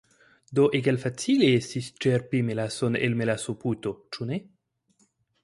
Do egalfacile estas ĉerpi melason el melasoputo, ĉu ne?